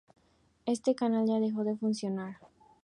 Este canal ya dejó de funcionar.